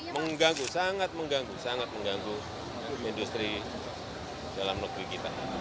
mengganggu sangat mengganggu sangat mengganggu industri dalam negeri kita